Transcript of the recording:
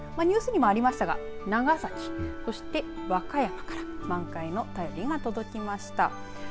ニュースにもありましたが、長崎そして和歌山から満開の便りが届きました。